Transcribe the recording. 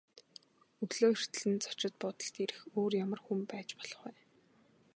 Өглөө эртлэн зочид буудалд ирэх өөр ямар хүн байж болох вэ?